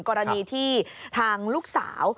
กรณีที่ทางลูกสาว